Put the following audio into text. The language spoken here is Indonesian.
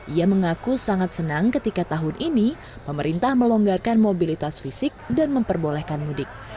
ia mengaku sangat senang ketika tahun ini pemerintah melonggarkan mobilitas fisik dan memperbolehkan mudik